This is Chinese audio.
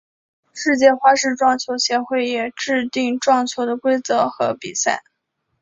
世界花式撞球协会也制定撞球的规则和比赛。